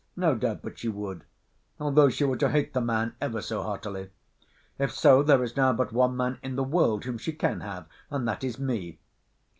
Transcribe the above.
—No doubt but she would; although she were to hate the man ever so heartily. If so, there is now but one man in the world whom she can have—and that is me.